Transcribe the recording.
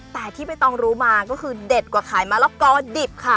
แต่ที่ใบตองรู้มาก็คือเด็ดกว่าขายมะละกอดิบค่ะ